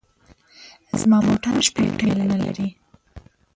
زما موټر شپږ ټیرونه لري